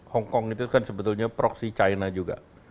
hongkong itu kan sebetulnya proksi china juga